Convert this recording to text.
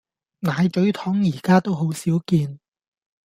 奶咀糖而家都好少見